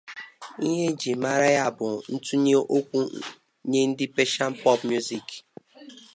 She is known for her contributions to Persian pop music.